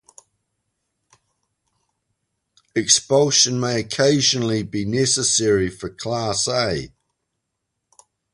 Expulsion may occasionally be necessary for class A.